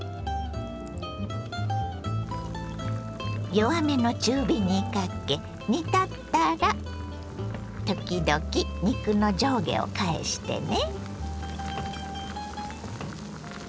弱めの中火にかけ煮立ったら時々肉の上下を返してね。